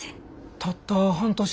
たった半年で？